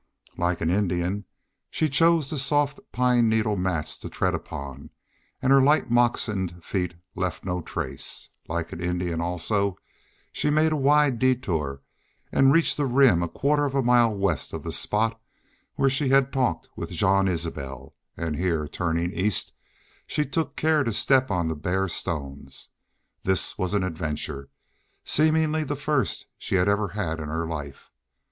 Like an Indian, she chose the soft pine needle mats to tread upon, and her light moccasined feet left no trace. Like an Indian also she made a wide detour, and reached the Rim a quarter of a mile west of the spot where she had talked with Jean Isbel; and here, turning east, she took care to step on the bare stones. This was an adventure, seemingly the first she had ever had in her life.